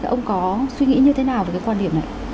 ông có suy nghĩ như thế nào về cái quan điểm này